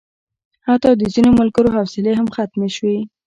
حتی د ځینو ملګرو حوصلې هم ختمې شوې.